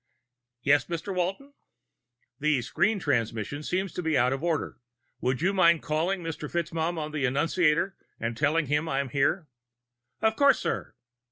"Yes, Mr. Walton?" "The screen transmission seems to be out of order. Would you mind calling Mr. FitzMaugham on the annunciator and telling him I'm here?" "Of course, sir."